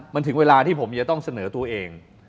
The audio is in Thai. มันถึงเวลาที่ผมจะต้องเสนอตัวเอง